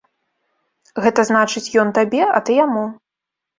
Гэта значыць, ён табе, а ты яму.